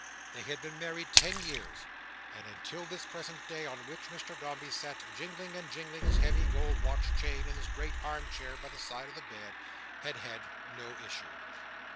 They had been married ten years, and until this present day on which Mr Dombey sat jingling and jingling his heavy gold watch chain in the great arm chair by the side of the bed, had had no issue.